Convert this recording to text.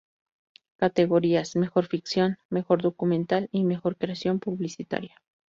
Categorías: Mejor Ficción, Mejor Documental y Mejor Creación Publicitaria.